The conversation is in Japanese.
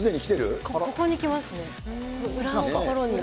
ここにきますね。